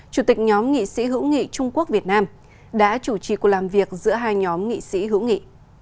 chủ tịch nhóm nghị sĩ hữu nghị trung quốc việt nam đã chủ trì cuộc làm việc giữa hai nhóm nghị sĩ hữu nghị